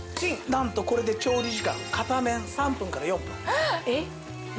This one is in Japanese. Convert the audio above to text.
なんとこれで調理時間片面３分から４分。